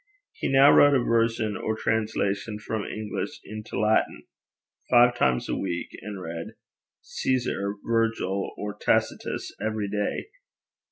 He now wrote a version, or translation from English into Latin, five times a week, and read Caeser, Virgil, or Tacitus, every day.